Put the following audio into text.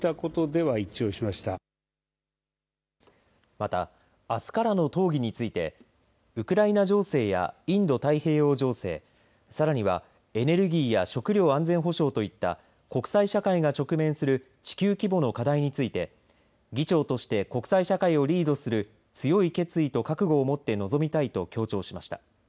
また、あすからの討議についてウクライナ情勢やインド太平洋情勢さらにはエネルギーや食料安全保障といった国際社会が直面する地球規模の課題について議長として国際社会をリードする強い決意と覚悟を持って臨みたいと強調しました。